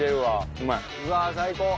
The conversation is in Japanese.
うわ最高。